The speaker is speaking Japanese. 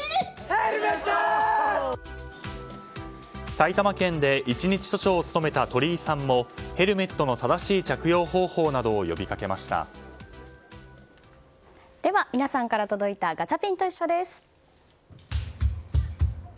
埼玉県で１日署長を務めた鳥居さんもヘルメットの正しい着用方法などをでは皆さんから届いたガチャピンといっしょ！です。